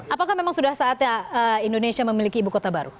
apakah memang sudah saatnya indonesia memiliki ibu kota baru